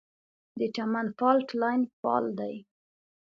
د چمن فالټ لاین فعال دی